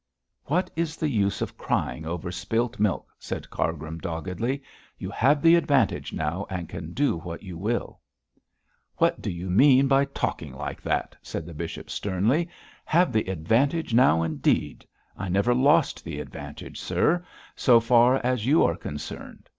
'What is the use of crying over spilt milk?' said Cargrim, doggedly. 'You have the advantage now and can do what you will.' 'What do you mean by talking like that?' said the bishop, sternly. 'Have the advantage now indeed; I never lost the advantage, sir, so far as you are concerned.